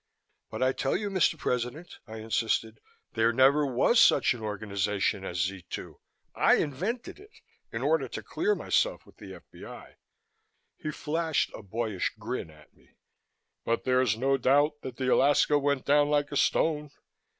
"But I tell you, Mr. President," I insisted, "there never was such an organization as Z 2. I invented it in order to clear myself with the F.B.I." He flashed a boyish grin at me. "But there's no doubt that the Alaska went down like a stone?"